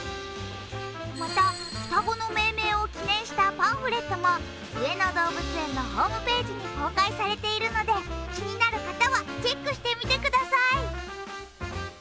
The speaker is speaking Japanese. また、双子の命名を記念したパンフレットも上野動物園のホームページに公開されているので気になる方はチェックしてみてください。